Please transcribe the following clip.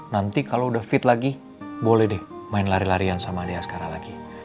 nanti kalau udah fit lagi boleh deh main lari larian sama dia sekarang lagi